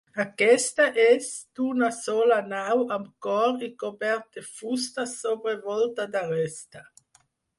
Aquesta és d'una sola nau amb cor i cobert de fusta sobre volta d'aresta.